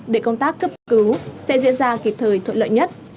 để công tác cấp cứu sẽ diễn ra kịp thời thuận lợi nhất